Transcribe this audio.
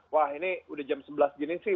wah ini udah jam sebelas gini sih